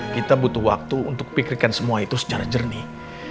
kita butuh waktu untuk pikirkan semua itu secara jernih